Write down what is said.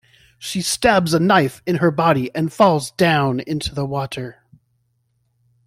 She stabs a knife in her body and falls down into the water.